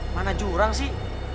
mana jurang sih